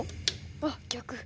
あっ逆。